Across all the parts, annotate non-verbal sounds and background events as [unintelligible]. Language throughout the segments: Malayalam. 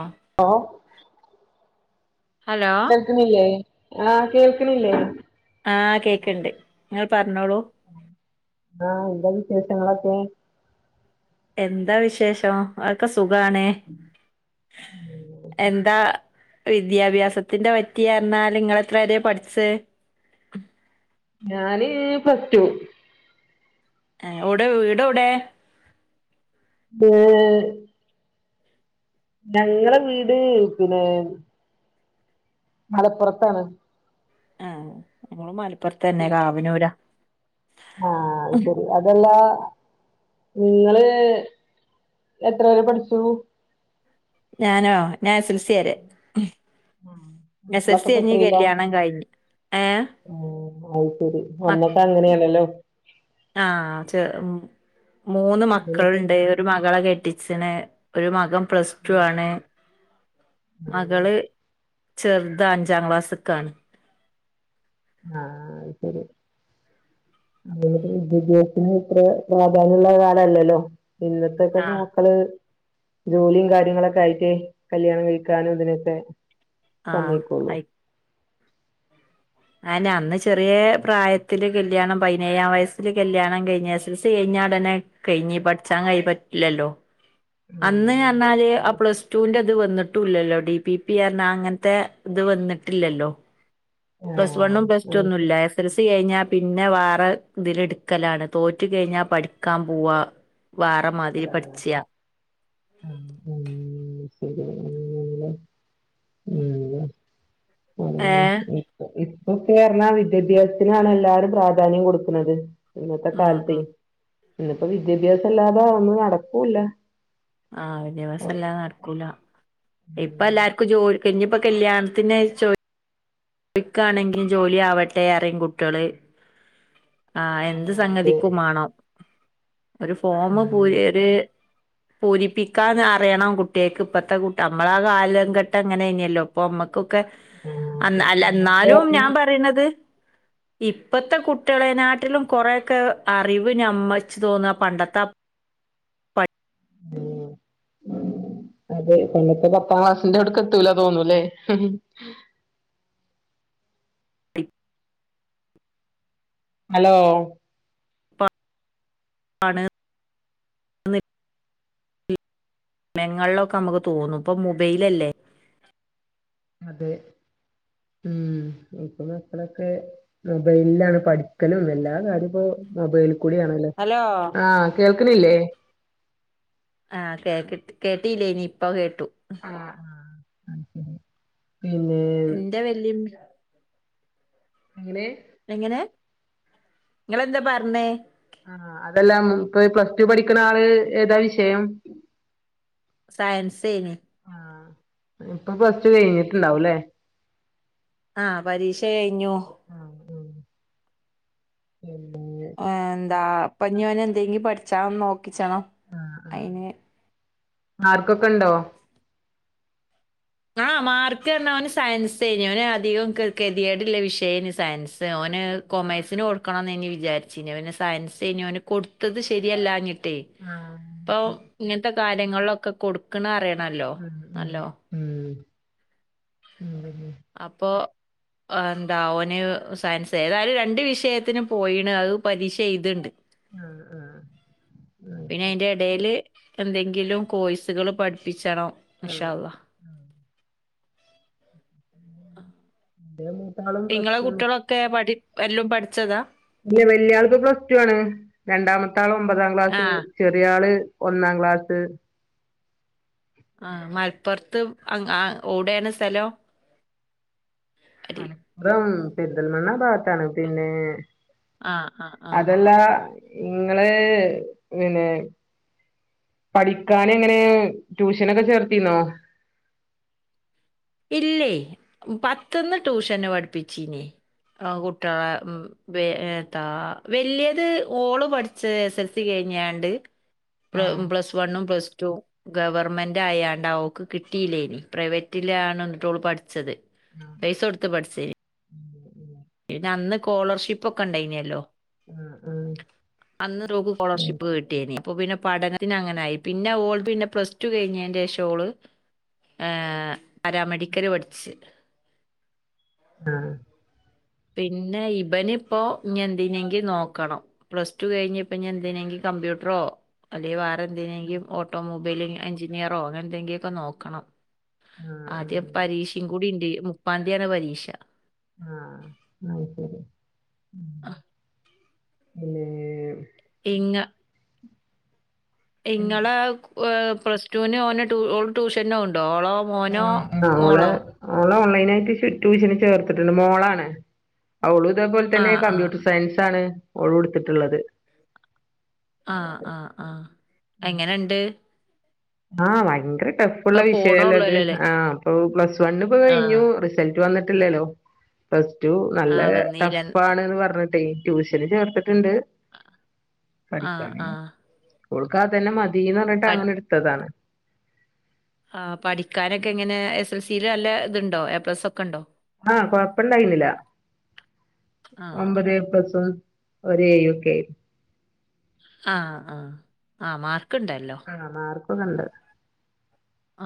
ആഹ് ഓഹ് ഹലോ കേൾക്കുന്നില്ലേ? ആ കേൾക്കണില്ലേ ആ കേക്ക്ണ്ട് നിങ്ങൾ പറ ഞ്ഞോളു. ആ എന്താ വിശേഷങ്ങളൊക്കെ എന്താ വിശേഷം അതൊക്കെ സുഖാണ് എന്താ വിദ്യാഭ്യാസത്തിന്റെ പറ്റിയായിറഞ്ഞാല് ഇങ്ങളെത്ര വര പഠിച്ച ഞാന് പ്ലസ് ടു ആ വിടെ വീടെ വിടെ ഏ ഞങ്ങളെ വീട് പിന്നെ മലപ്പുറത്താണ്. ആ നമ്മ മല അപ്പറത്തന്നെ കാവന്നൂരാ ആ ശരി അതല്ല നിങ്ങള് എത്ര വരെ പഠിച്ചു ഞാനോ ഞാൻ എസ് എൽ സി വരെ എസ് എൽ സി മക്കളൊക്കെ പ്പ കഴിഞ്ഞ് എത്രയിലാ കല്യാണം കഴിഞ്ഞ് ഏഹ് അത് ശരി [unintelligible] അങ്ങനെയല്ലല്ലോ ആഹ് ച മൂന്ന് ആഹ് മക്കളുണ്ട് ഒരു മകളെ കെട്ടി [unintelligible] ഒരു മകം പ്ലസ് ടു ആണ് മകള് ചെറുതാ അഞ്ചാം ക്ലാസ്സ്ക്കാണ് ആ അത് ശരി [unintelligible] വിദ്യാഭ്യാസത്തിന് ഇത്ര പ്രാധാന്യം ഉള്ള കാലല്ലല്ലോ ഇന്നത്തേക്ക ആഹ് മോക്കള് ജോലിയും കാര്യങ്ങളൊക്കെ ആയിട്ട് കല്യാണം കഴിക്കാനും ഇതിനൊക്കെ ആഹ് സമ്മയിക്കുള്ളൂ അയ് ഞാന് അന്ന് ചെറിയ പ്രായത്തില് കല്യാണം പതിനേഴാം വയസ്സില് കല്ല്യാണം കഴിഞ്ഞ എസ്. എൽ. സി കഴിഞ്ഞ ഉടനെ കഴിഞ്ഞു പഠിച്ചാൻ കഴ് പറ്റില്ലല്ലോ അന്ന് ഉം പറഞ്ഞാല് ആ അതെ പ്ലസ് ടുവിന്റെ അത് വന്നി ട്ടുല്ലല്ലോ ഡി. പി. പി [unintelligible] അങ്ങനത്തെ ഇത് വന്നിട്ടില്ലല്ലോ പ്ലസ് ആഹ് വണ്ണും പ്ലസ് ടു അത് ഒന്നും ശരി ഇല്ല എസ്. എൽ. സി കഴിഞ്ഞാ പിന്നെ വേറെ ഇതില് എടുക്കലാണ് തോറ്റ് കഴിഞ്ഞാ പഠിക്കാൻ പോവാ വേറെ മാതിരി പഠിച്ചിയാ [inaudible] [unintelligible] [unintelligible] ഏഹ് ഇപ്പൊക്കെ ർഞ്ഞ വിദ്യാഭ്യാസത്തിനാണ് എല്ലാരും പ്രാധാന്യം കൊടുക്ക്ണത്. ഇന്നത്തെ ഉം കാൽത്തെ ഉം ഇന്ന്പ്പോ വിദ്യാഭ്യാസല്ലാ ഇപ്പൊ ഒന്നും നടക്കൂല്ല. ആ ഉം വിദ്യാഭ്യാസല്ലാതെ നടക്കൂല. ഇപ്പൊ എല്ലാർക്കും ജോലി ഇഞ്ഞ് പ്പോ കല്യാണത്തിനൊരു ചോ ട്ടിക്കാണെങ്കിൽ ജോലി ആവട്ടെ അറിം കുട്ട്യേള്. ആഹ എന്ത് ആഹ് അതെ സംഗതിക്കും മാണം. ഒരു ഫോമ് ഉം പൂരി ഒര് പൂരിപ്പിക്കാന് അറിയണം കുട്ടിയക്ക്. ഇപ്പത്തെ കുട് നമ്മളാ കാലംഘട്ട അങ്ങനേനല്ലൊ ഇപ്പൊ അമ്മക്ക് ക്കെ ആഹ് അന്ന് അതെ അല്ല അന്നൊക്കെ എന്നാലും പറഞ്ഞ് ഞാൻ പറീണത് ഇപ്പത്തെ കുട്ട് കുട്ടളെനാട്ടിലും കൊറെയൊക്കെ അറിവ് ഞമ്മച്ച് തോന്ന പണ്ടത്തെ ഉം അത അന്നത്തെ പത്താം ക്ലാസിന്റെ അവിട്ക്ക് എത്തൂല തോന്നൂല്ലേ ഹലോ [unintelligible] ലൊക്കെ നമുക്ക് തോന്നും ഇപ്പൊ മുബൈലല്ലേ. അതെ മ് ഇപ്പ മക്കളൊക്കെ മൊബൈലിലാണ് പഠിക്കലും എല്ലാ കാര്യവും ഇപ്പോ മൊബൈല് കൂടിയാണല്ലോ, ഹലോ ആഹ് കേൾക്കണില്ലേ? ആ കേ ട് കേട്ടില്ലേന് ഇപ്പ കേട്ടു. ആ ആ ആ [unintelligible] എന്റെ വല്യ [unintelligible] അങ്ങനെ എങ്ങനെ നിങ്ങളെന്താ പറഞ്ഞേ? ആ അതെല്ലാം ഇപ്പോ പ്ലസ് ടു പഠിക്കണ ആള് ഏതാ വിഷയം? സയൻസേന്. ഇപ്പോ പ്ലസ് ടു കഴിഞ്ഞിട്ടുണ്ടാവുല്ലേ? ആ പരീക്ഷ കഴിഞ്ഞു. ഉം ഉം ആ ന്താ അപ്പ ഞാന് എന്തെങ്കും പഠിച്ചാ നോക്കിച്ചണം ആഹ് ആഹ് അയിന് മാർക്കൊക്കെ ഇണ്ടോ? ആ മാർക്ക് പറഞ്ഞ ഓന് സയൻസായ്ന് അവന് അധികം കെ കെതിയേടില്ല വിഷയന് സയൻസ് ഓന് കൊമേഴ്സിന് കൊടുക്കണന്ന്ന്നെ ഇനി വിചാരിച്ചിന് അവന് സയൻസ് കഞ്ഞ അവന് കൊടുത്തത് ശെരിയല്ലാഞ്ഞി ട്ടെ ഇപ്പം ആഹ് ഇങ്ങനത്തെ കാര്യങ്ങളിലൊക്കെ കൊടുക്ക്ണെ അറിയണം ഉം ഉം ഉം ഉം അപ്പോ എന്താ ഓന് സയൻസ് ഏതായാലും രണ്ട് വിഷയത്തിന് പോയിന് അത് പരീക്ഷ എഴുത്ണ്ട് ആഹ് ആഹ് ആഹ് ശരി പിന്നെ അയിന്റെ ഇടയില്. എന്തെങ്കിലും കോഴ്സുകൾ പഠിപ്പിച്ചണം. ഇൻഷാ ആഹ് അള്ളാഹ്. എന്റെ മൂത്താളും പ്ലസ് നിങ്ങളെ ടു ആണ് കുട്ടികളൊക്കെ പഠി പ്പ എല്ലും പഠിച്ചതാ ഇല്ല വല്യ ആളു ഇപ്പൊ പ്ലസ് ടു ആണ് രണ്ടാമത്തെ ആള് ഒമ്പതാം ക്ലാസ് ആഹ് ചെറിയ ആള് ഒന്നാം ക്ലാസ് ആഹ് മലപ്പുറത്ത് ഓടെയാണ് സ്ഥലം? അരി ആണ് ദം പെരിന്തൽമണ്ണ ആ ഭാഗത്താണ് പിന്നെ ആ ആ ആ നിങ്ങള് പിന്നെ പഠിക്കാൻ എങ്ങനെ ട്യൂഷനൊക്കെ ചേർത്തിന്നോ? ഇല്ലേ പത്ത്ന്ന് ട്യൂഷന് പഠിപ്പിച്ചിനി ഏഹ് കുട്ടികളെ ഉം എ എത്താ വലിയത് ഓള് പഠിച്ച എസ് എൽസി കഴിഞ്ഞാണ്ട് ആഹ് പ്ലസ് വണ്ണും പ്ലസ് ടൂ ഗവർമെന്റ് ആയാണ്ട് ആ അവക്ക് കിട്ടിയില്ലേനി പ്രൈവറ്റ് ലാണ് എന്നിട്ടോ പഠിച്ചത് പൈസ കൊടുത്ത് പഠിച്ച പിന്നെ അന്ന് സ്കോളർഷിപ്പ ഒക്കെ ഉണ്ടായിനല്ലോ ആഹ് ആഹ് അന്ന് നോക്ക് സ്കോളർഷിപ്പ് കൊണ്ടെയ്‌ന് അപ്പൊ പിന്നെ പഠനത്തിന് അങ്ങനൊയി പിന്നെ ഓൾ പിന്നെ പ്ലസ് ടു കഴിഞ്ഞതിന്റെ ശേഷം ഓള് പാരാമെഡിക്കല് പഠിച്ചു. ആഹ് പിന്നെ ഇബനി ഇപ്പോൊ എന്തിനെങ്കിലും നോക്കണം പ്ലസ് ടു കഴിഞ് ഇപ്പൊ ഞൻ എന്തിനെങ്കും കമ്പ്യൂട്ടറോ അല്ലെങ്ക വേറെ എന്തിനെങ്കിലും ഓട്ടോമൊബൈൽ എഞ്ചിനിയറോ അങ്ങനെ എന്തെങ്കിലൊക്കെ നോക്കണം ആദ്യം ആഹ് പരീക്ഷയും കൂടി ഉണ്ട് മുപ്പാന്തിയാണ് പരീക്ഷ അ ശരി. ആഹ് പിന്നെ ഇങ് ഇങ്ങളെ പ്ലസ് ടുവിന് മ ഓന് ഓ ട്യൂഷനോ ഉണ്ടോ ഓളോ മോനോ ആ ഓളെ മോളോ ഓളെ ഓൺലൈനായിട്ട് ട്യൂഷന് ചേർത്തിട്ടുണ്ട് മോളാണ്. ആ ഉള്ളൂ ഇതേപോലെ ആ തന്നെ ആ കമ്പ്യൂട്ടർ സയൻസ് ആണ്. ഓള് ഉടുത്തിട്ടുള്ളത്. ആഹ് ആഹ് ആഹ്. എങ്ങനെുണ്ട്. ആ ഭയങ്കര ടഫുള്ള ഇപ്പൊ വിഷയല്ലേ അത് പോണുള്ളൂല്ലോ അല്ലേ ആ അപ്പൊ പ്ലസ് വണ് ഇപ്പോ ആ കഴിഞ്ഞു റിസൾട്ട് വന്നിട്ട് ട്ട് ല്ലല്ലോ. ഏറ്റ ആ നല്ല വന്നീല ടഫ് ആാണ്ന്ന് പറഞ്ഞി ട്യൂഷന് ചേർത്ത ണ്ട് ആ ആ പഠിക്കാന് ഓൾക്കതന്നെ മത് തീന്ന് പഠി- പറഞ്ഞിട്ട് [unintelligible] ആണല്ലേ ആ പഠിക്കാനൊക്കെ ഇങ്ങനെ എസ് എസ് എൽ സിൽ നല്ല ഇതുണ്ടോ എ പ്ലസ് ഒക്കെ ഇണ്ടോ? ആ കൊഴപ്പണ്ടായിന്നില്ല ആ ഒമ്പത് എ പ്ലസും ഒര് എ യൊക്കെ ആയിരുന്നു. ആ ആ ആ മാർ ക്കിണ്ടല്ലോ. ക്കൊക്കിണ്ട്.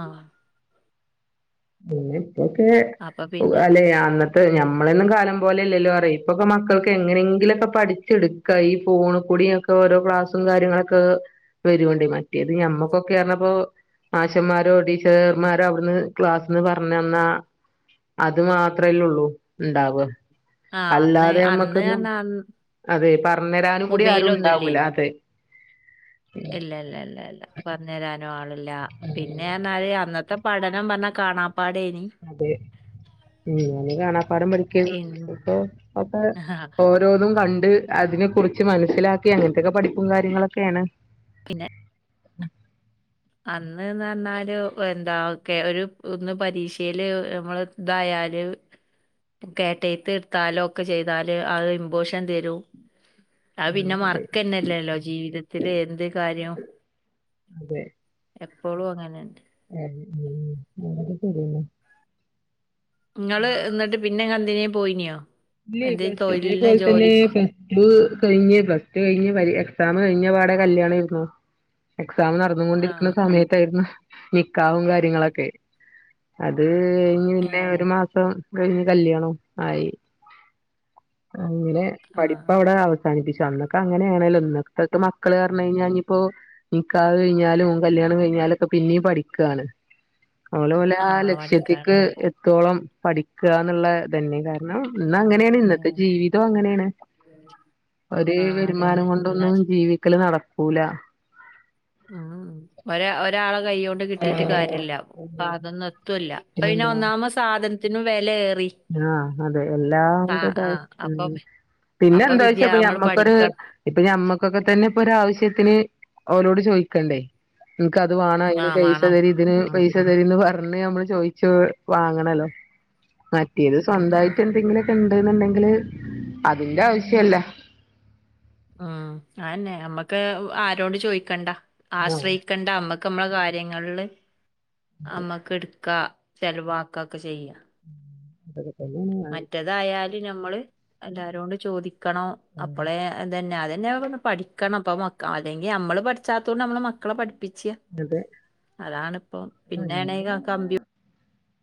ആഹ് പിന്നെ തൊക്കെ അപ്പൊ പിന്നെ വലയ അന്നത് ക്ക് ഞമ്മളൊന്നും കാലം പോലെ ഇല്ലല്ലോ പറയ ഇപ്പൊക്കെ മക്കൾക്ക് എങ്ങനെങ്കിലൊക്കെ പഠിച്ചെടുക്കാ ഈ ഫോൺ കൂടിയൊക്കെ ഓരോ ക്ലാസ്സും കാര്യങ്ങളൊക്കെ വരുവണ്ടേ മറ്റേത് ഞമ്മക്കൊക്കെ ആർന്നപ്പോ മാശ്ന്മാരോ ടീച്ചർമാരോ അവിടുന്ന് ക്ലാസ്ന്ന് പറഞ്ഞന്നാ അത് മാത്രല്ലുള്ളൂ ഇണ്ടാവ. ആ അന്ന് അല്ലാതെ അന്ന് നമ്മക്കൊന്നും പറഞ്ഞാൽ അതെ പറഞ്ഞ് തരാനും കൂടി ആരും മൊബൈലൊന്നും ഇല്ലേ ഉണ്ടാവൂല അതെ. ഇല്ല ഇല്ല ഇല്ല ഇല്ല പറഞ്ഞു തരാനും ആള് ല്ലാ പിന്നെ എന്നാല് അന്നത്തെ പഠനം പറഞ്ഞാൽ കാണാം അതെ ഇങ്ങനെ കാണാ പാഠം പഠിക്കേരുന്നു ഇൻ- അപ്പൊ അപ ഓരോന്നും കണ്ട് അതിനെ കുറിച്ച് മനസ്സിലാക്കി അങ്ങനത്തൊക്കെ പഠിപ്പും കാര്യങ്ങളൊക്കെയാണ് പിന്നെ [inaudible] അന്നിന്ന് പറഞ്ഞാല് എന്താ ഒരു ഒന്ന് പരീക്ഷയില് നമ്മള് ഇതായല് കേട്ടയത്ത് എടുത്താലും ഒക്കെ ചെയ്താല് അത് ഇമ്പോഷൻ തരും ആ ആഹ് പിന്നെ അതെ മർക്കന്നല്ലല്ലോ ജീവിതത്തില് എന്ത് കാര്യവും അതെ എപ്പോഴും അങ്ങനന്നേ ഉം വളരെ ശരി ആണ് നിങ്ങള് എന്നിട്ട് പിന്നെ ക [unintelligible] പോയിനിയോ ഇല്ല എന്തേ പ്ലസ് ടു തൊഴിലിന് ഇതേപോലെ തന്നെ ജോലിക്കോ പ്ലസ് ടു കഴിഞ്ഞ് പ്ലസ് ടു കഴിഞ്ഞ് പ എക്സാമ് കഴിഞ്ഞ പാടെ കല്യാണായിരുന്നു എക്സാം ആ നടന്നുകൊണ്ടിരിക്കുന്ന ആ സമയത്തായിരുന്നു നിക്കാഹും കാര്യങ്ങളൊക്കെ അത് അത് കഴിഞ്ഞ് ഏ പിന്നെ ഒരു മാസം കഴിഞ്ഞു കല്യാണം ആയി അങ്ങനെ ആ പഠിപ്പ അവിടെ അവസാനിപ്പിച് പെ അന്നൊക്കെ അങ്ങനെയാണല്ലോ ഇന്നത്തക്കെ മക്കള് പറഞ്ഞ് കഴിഞ്ഞാൽയിപ്പോ നിക്കാഹ് കഴിഞ്ഞാലും കല്യാണം കഴിഞ്ഞാലൊക്കെ പിന്നേം പഠിക്കാണ്. ഓലെ ഓലെ ആ പഠിക്കാണ് ലക്ഷ്യത്തേക്ക് അതന്നെ എത്തോളം പഠിക്കുകന്നുള്ള തന്നെകാരം ഹലോ [unintelligible] ഇന്ന് അങ്ങനെയാണ് ഇന്നത്തെ ഉം. ജീവിതം അങ്ങനെയാണ് ഒരു ആ വരുമാനം അതന്നെ എന്നാ കൊണ്ടൊന്നും ജീവിക്കല് നടക്കൂല. പൂല..... ഒര് ഒരാള കൈയോണ്ട് കിട്ടിട്ട് കാര്യല്ലാ ഇപ്പൊ അതൊന്നും എത്തൂൽ ല പിന്നെ ഒന്നാമ സാധൻ ത്തിനും വെല ഏ...... ആ അതെ എല്ലാ കൂടെ ആ അപ്പൊ മ് പിന്നെ അപ്പൊ വിദ്യ നമ്മൾ എന്താച്ചപ്പൊമ്മക്കൊരു പഠിക്കണം ഇപ്പൊ ഞമ്മക്കൊക്കെ തന്നെ ഒരാവശ്യത്തിന് അവരോട് ചോദിക്കണ്ടേ ഇന്ക്കത് വേണം ആ അയ്ന് പൈസ വേണം തരി ഇതിന് ഉം, പൈസ ഉം, തരി ന്ന് പറ ന്ന്‌ ഞമ്മള് ചോയ്ച്ച് വാങ്ങണല്ലോ മറ്റ് ഇത് ഉം, സ്വന്തായിട്ട് ഉം, എന്തെങ്കിലൊക്കെ ഇൺ ണ്ട്ന്ന്‌ണ്ടെങ്കിൽ അതിന്റെ ആവശ്യല്ല ഉം അയന്നെ അമ്മക്ക് ആരോടും ചോയ്ക്കണ്ട ആഹ് ആശ്രയിക്കണ്ടമ്മ ക്കമ്മള കാര്യങ്ങളില് അമ്മക്ക്ട്.... ക്ക ചെലവാക്കൊഒക്കെ ചെയ്യാ അതെ എല്ലാന്നും വങ്ങിക്ക ത് ഞമ്മള് എല്ലാരോടും ചോദി ക്കണോ ആഹ് അപ്പളേ അതന്നെ അതെ ന്നെ വക് പഠിക്കണം പ്പൊ മക്ക അല്ലെങ്കി ഞമ്മമ്മള് പഠിച്ചാത്തോണ്ട് നമ്മള് മക്കളെ പട് പിച്യാ അതെ അതാണിപ്പൊ പിന്നെ ആണെങ്കികമ്പ്യ....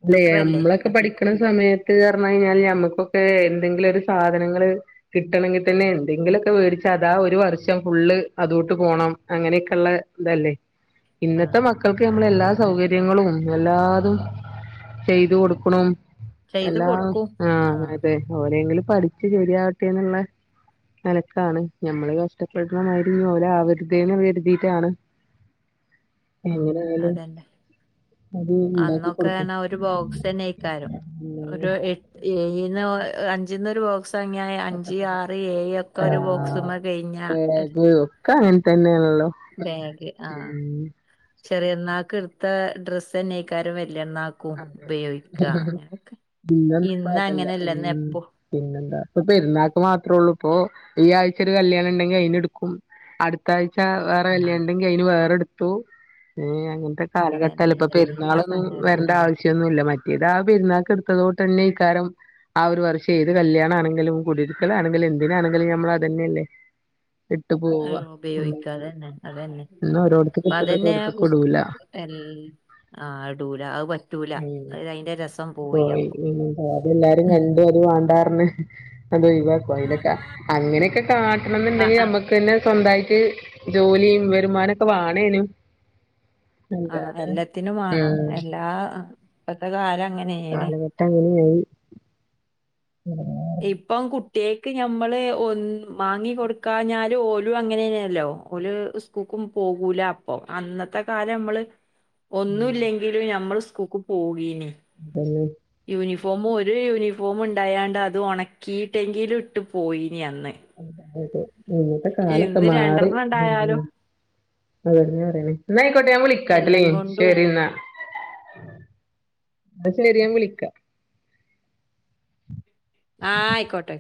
ല്ലെ നമ്മളൊക്കെ പഠിക്ക്ണ സമയത്ത്അറഞ്ഞ് കായ്ഞ്ഞാല് നമ്മുക്കൊക്കെ...... ക്ക് എന്തെങ്കിലൊരൂ സാധനങ്ങള് കിട്ടണെങ്കി തന്നെ എന്തെങ്കിലൊക്കെ വേടിച്ച അതാ ഒരു വർഷം ഫുള്ള് അതോട്ട് പോകണം അങ്ങനെക്കൊള്ള തല്ലേ, ആഹ് ഇന്നത്തെ മക്കൾക്ക് ഓ ഞമ്മള് എല്ലാ ഓ ഓ സൗകാര്യങ്ങളും എല്ലാതും.. ചെയ്തു കൊടുക്കുണും ചെയ്ത് എല്ലാം കൊടുക്കും ആ ആഹ് അതെ ഓലേങ്കിലും പഠിച്ചു ശരിയാവട്ടെ ന്നുള്ള നിലക്കാണ് നഞമ്മള് കഷ്ടപ്പെടുന്നമാതിരിയൊന്നും ഓല് ആവരുതേന്ന് കരുതിയിട്ടാണ് ഉം എങ്ങനെ ആയാലും അതന്നെ അത് ഉണ്ടാക്കി അന്നൊക്കെ കൊടുക്കും പറഞ്ഞാ ഒരു ബോക്സന്നെയ്ക്കാരം ഉം അഞ്ചിന്നൊരു ബോക്സ് പ്പങ്ങനെ അഞ്ച് ആറ് ഏയ ഒക്കെ ഒരു ബോക്സ്മ്മ കഴിഞ്ഞ പപ്പൊ അങ്ങതന്നെയാണല്ലോ ബേഗ് ആ ചെറിയ പെരുന്നാക്ക് എടുത്ത ഡ്രസ്സ് തന്നെക്കാരം വലിയ അതെ ഹ് ഹ് ഹ് ഹ് അങ്ങനൊക്കെ ഇന്നപ്പ അതല്ല ഇന്നങ്ങനെല്ല ഉം ഇന്നെപ്പോ പിന്നെന്താ ഇപ്പ പെരുന്നാൾക്ക് മാത്രേ ഉള്ളൂ ഇപ്പോ ഈ ആഴ് [unintelligible] കല്യാണം ഉണ്ടങ്കി അയിന് എടുക്കും അടുത്താഴ് ച്ച വേറെ ആഹ് വല്യാണ്ടങ്കി അതിന് വേറെടു ട്ടു ഏഹ് അങ്ങനെ ത്തെ കാലഘട്ടല്ലെ അതന്നെ ഇപ്പ എല്ലാ പെരുന്നാളൊന്നും വര സംഗതി ആഹ് ന്നുല്ല മറ്റേത് ആ പെരുന്നാക്ക് എടുത്തതുട്ട് തന്നെ ഇക്കാരം ആ ഒരു വർഷം ഏത് കല്യാണ ആണെങ്കിലും കുടിരിക്കല് ആണെങ്കിലും എന്തിനാണെങ്കിലും നമ്മൾ അത് തന്നെല്ലേ. ആ ഉപയോഗിക്കതെ തന്നെ അത് തന്നെ ഇന്ന് ഓരോടത്ത്ക്ക് അപ്പ ഇട്ടത് അതന്നെ ഓരോടത്ത്ക്ക് ഇസ്കൂ ഇടൂല എല്ല ആ ഇടൂല അത് പറ്റൂല ഉം അത് അയിന്റെ രസം പോയി അപ്പൊ പിന്നെന്താ അത് എല്ലാരും ഉം. കണ്ട അത് വേണ്ടാറ് അതെ അതൊഴിവാക്കും അതിലൊക്കെ അങ്ങനെയൊക്കെ കാട്ടണം ആ എന്നുണ്ടെങ്കി ആ നമ്മുക്ക് തന്നെ സ്വന്തമായിട്ട് ജോലിയും വരുമാനം ഒക്കെ വാണെനും. ആഹ് എല്ലാത്തിനും വേണം എല്ലാ അ ഇപ്പത്തെ കാല കാലഘട്ടം അങ്ങനായി. ഉം ഇപ്പം കുട്ടിയെക്ക് ഞമ്മള് ഒന്ന് വാങ്ങി കൊടുക്കാഞ്ഞാല് ഓല് അങ്ങനെല്ലോ ഓല് ഇസ്കൂക്കും പോകൂല അപ്പൊ അന്നത്തെ കാലം നമ്മള്. ഒന്നുല്ലങ്കിലും ഞമ്മള് സ്കൂ കൂക്ക് പോകീനി. അതന്നെ യൂണിഫോമ് ഒരു യൂണിഫോമ് ഉണ്ടായാണ്ട് അത് ഉണക്കിയിട്ടെങ്കിലും ഇട്ട് പോയി നി അന്ന്. അതെ ഇന്നത്തെ കാലൊക്കെ ഇന്ന് മാറി രണ്ടെണ്ണം ഉം ഉം ഉണ്ടായാലും കഴിഞ്ഞു പറയാ എന്നായിയിക്കോട്ടെ ഞാൻ വിളിക്കാട്ടോ എല്ലാം ലിം കൊണ്ടും ശരി എന്നാ. [inaudible] അന്ന ശരി ഞാൻ വിളിക്കാം ആ... ആയിക്കോട്ടെ